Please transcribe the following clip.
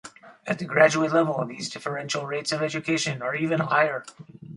At the graduate level, these differential rates of education are even higher.